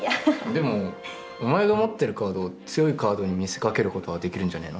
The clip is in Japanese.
でもお前が持ってるカードを強いカードに見せかけることはできるんじゃねえの。